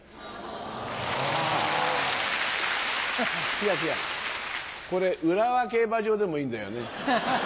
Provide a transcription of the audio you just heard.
違う違うこれ浦和競馬場でもいいんだよね。